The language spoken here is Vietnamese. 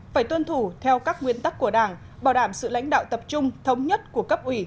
phải tuân thủ theo các nguyên tắc của đảng bảo đảm sự lãnh đạo tập trung thống nhất của cấp ủy